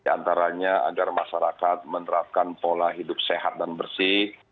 antaranya agar masyarakat menerapkan pola hidup sehat dan bersih